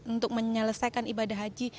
untuk menyelesaikan ibadah haji